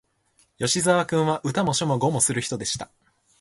吉沢君は、歌も書も碁もする人でした